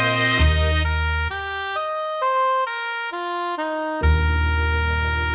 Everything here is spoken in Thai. ไม่คิดหลังความรัก